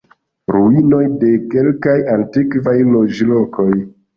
Ruinoj de kelkaj antikvaj loĝlokoj.